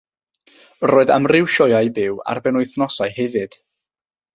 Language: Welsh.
Roedd amryw sioeau byw ar benwythnosau hefyd.